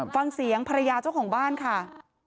ฟังเสียงภรรยาเจ้าของบ้านค่ะ